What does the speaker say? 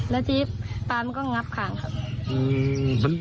แล้วทีปลามันก็งับคลางครับ